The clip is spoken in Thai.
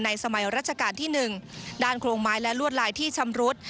สมัยรัชกาลที่๑ด้านโครงไม้และลวดลายที่ชำรุด